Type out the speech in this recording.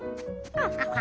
ハハハ。